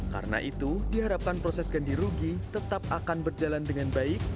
karena itu diharapkan proses ganti rugi tetap akan berjalan dengan baik